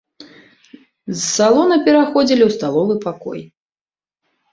З салона пераходзілі ў сталовы пакой.